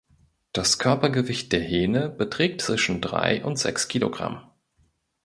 Das Körpergewicht der Hähne beträgt zwischen drei und sechs Kilogramm.